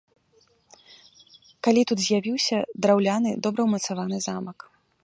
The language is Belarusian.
Калі тут з'явіўся драўляны добра ўмацаваны замак.